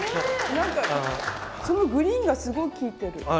なんかそのグリーンがすごい効いてる。